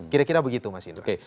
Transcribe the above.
kira kira begitu mas indra